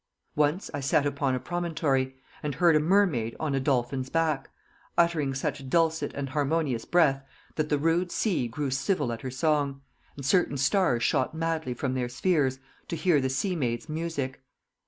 ..."Once I sat upon a promontory, And heard a Mermaid on a Dolphin's back Uttering such dulcet and harmonious breath, That the rude sea grew civil at her song; And certain stars shot madly from their spheres, To hear the sea maid's music.